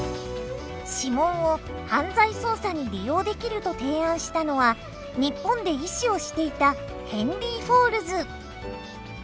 指紋を犯罪捜査に利用できると提案したのは日本で医師をしていたヘンリー・フォールズ。